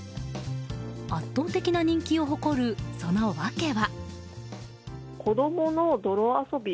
圧倒的な人気を誇るその訳は。